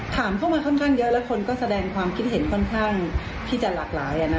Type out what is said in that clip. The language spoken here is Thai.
ถามเข้ามาค่อนข้างเยอะแล้วคนก็แสดงความคิดเห็นค่อนข้างที่จะหลากหลาย